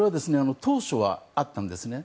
当初はあったんですね。